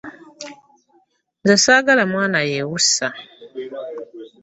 Nze ssaagala mwana yeewussa.